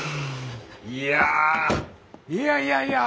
いやいやいやいや